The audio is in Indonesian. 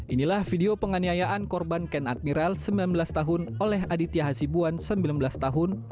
inilah video penganiayaan korban ken admiral sembilan belas tahun oleh aditya hasibuan sembilan belas tahun